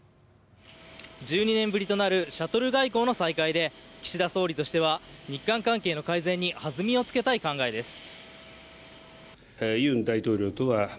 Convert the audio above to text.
１２年ぶりとなるシャトル外交の再開で岸田総理としては日韓関係の改善に弾みをつけたい考えです。